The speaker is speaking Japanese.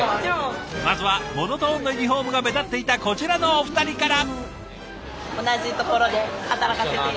まずはモノトーンのユニフォームが目立っていたこちらのお二人から。